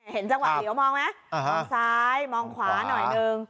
เห็นจังหวะเหลียวมองไหมมองซ้ายมองขวาหน่อยนึง